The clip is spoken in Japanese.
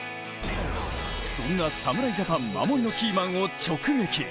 そんな侍ジャパン守りのキーマンを直撃。